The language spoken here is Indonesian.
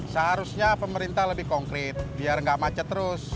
seharusnya pemerintah lebih konkret biar nggak macet terus